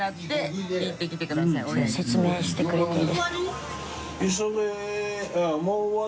説明してくれてる。